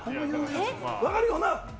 分かるよな？